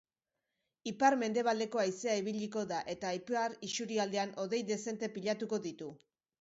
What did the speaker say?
Ipar-mendebaldeko haizea ibiliko da eta ipar isurialdean hodei dezente pilatuko ditu.